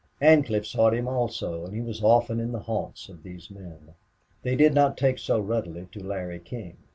Ancliffe sought him, also, and he was often in the haunts of these men. They did not take so readily to Larry King.